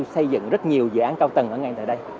xây dựng rất nhiều dự án cao tầng ở ngay tại đây